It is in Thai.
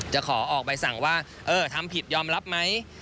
ขอออกใบสั่งว่าเออทำผิดยอมรับไหม